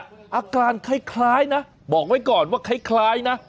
อาการคล้ายนะบอกไว้ก่อนว่าคล้ายนะ